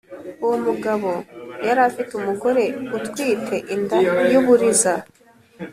Uwomugabo yari afite umugore utwite inda y' uburiza,